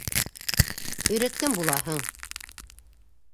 Өйрәткән булаһың.